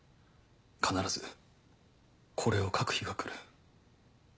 必ずこれを書く日が来る。